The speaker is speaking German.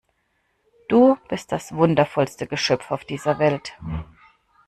Du bist das wundervollste Geschöpf auf dieser Welt!